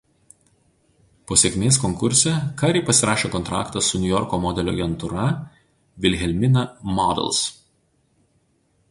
Po sėkmės konkurse Curry pasirašė kontraktą su Niujorko modelių agentūra „Wilhelmina Models“.